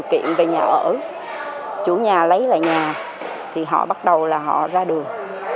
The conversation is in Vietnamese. kiện về nhà ở chủ nhà lấy lại nhà thì họ bắt đầu là họ ra đường